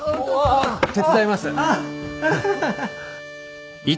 あ手伝います。